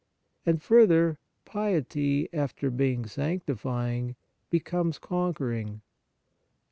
And, further, piety, after being. sancti fying, becomes conquering.